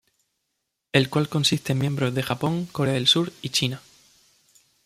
El cual consiste en miembros de Japón, Corea del Sur, y China.